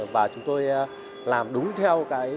và chúng tôi làm đúng theo các